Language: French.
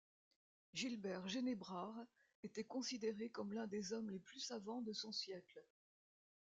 Gilbert Génébrard était considéré comme l'un des hommes les plus savants de son siècle.